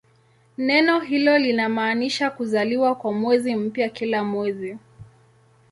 Neno hilo linamaanisha "kuzaliwa" kwa mwezi mpya kila mwezi.